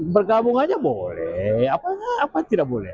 bergabung saja boleh apa tidak boleh